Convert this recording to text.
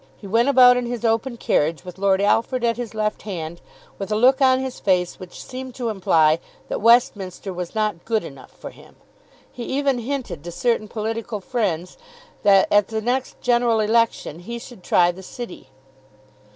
He went about in his open carriage, with Lord Alfred at his left hand, with a look on his face which seemed to imply that Westminster was not good enough for him. He even hinted to certain political friends that at the next general election he should try the City.